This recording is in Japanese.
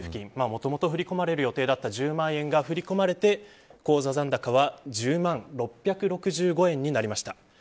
もともと振り込まれる１０万円が振り込まれて口座残高は１０万６６５円となりました。